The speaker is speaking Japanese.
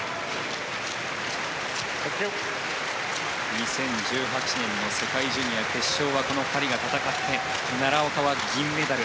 ２０１８年の世界ジュニア決勝はこの２人が戦って奈良岡は銀メダル。